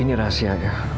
ini rahasia ya